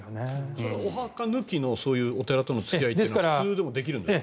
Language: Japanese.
それはお墓抜きのお寺との付き合いが普通でもできるんですか？